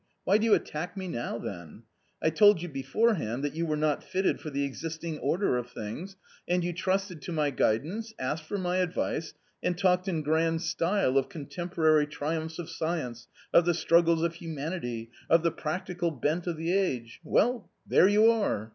Why do you attack me now, then ? I told you beforehand that you were not fitted for the existing order of things, and you trusted to my guidance, asked for my advice, and talked in grand style of contemporary triumphs of science, of the struggles of humanity, of the practical bent of the age — well, there you are